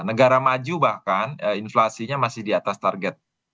negara maju bahkan inflasinya masih di atas target